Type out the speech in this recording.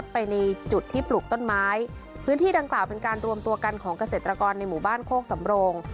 ไปในจุดที่ปลูกต้นไม้พื้นที่ดังกล่าวเป็นการรวมตัวกันของเกษตรกรในหมู่บ้านโคกสำโรง